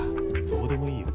どうでもいいよ。